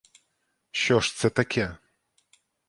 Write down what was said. Що ж це таке?!